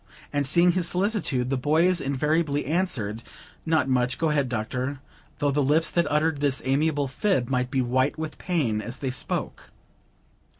and seeing his solicitude, the boys invariably answered: "Not much; go ahead, Doctor," though the lips that uttered this amiable fib might be white with pain as they spoke.